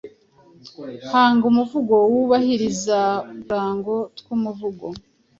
Hanga umuvugo wubahiriza uturango tw’umuvugo